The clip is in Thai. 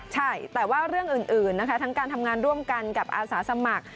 ใช่แต่ว่าเรื่องอื่นนะคะทั้งการทำงานร่วมกันกับอาสาสมัคร